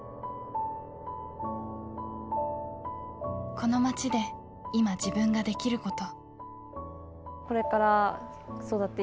この町で今、自分ができること。